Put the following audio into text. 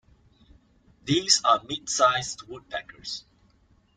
These are mid-sized woodpeckers.